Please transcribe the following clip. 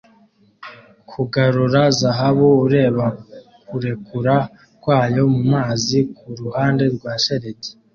Kugarura zahabu ureba kurekura kwayo mumazi kuruhande rwa shelegi